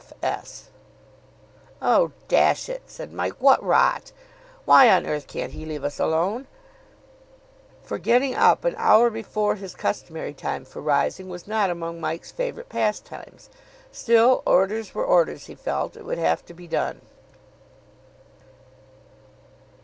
W. F. S." "Oh, dash it," said Mike, "what rot! Why on earth can't he leave us alone!" For getting up an hour before his customary time for rising was not among Mike's favourite pastimes. Still, orders were orders, he felt. It would have to be done.